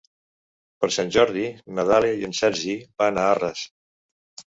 Per Sant Jordi na Dàlia i en Sergi van a Arres.